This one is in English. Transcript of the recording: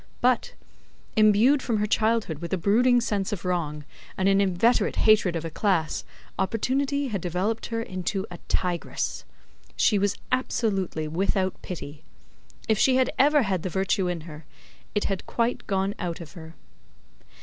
But, imbued from her childhood with a brooding sense of wrong, and an inveterate hatred of a class, opportunity had developed her into a tigress. She was absolutely without pity. If she had ever had the virtue in her, it had quite gone out of her.